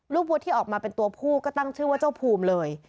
วุธที่ออกมาเป็นตัวผู้ก็ตั้งชื่อว่าเจ้าภูมิเลย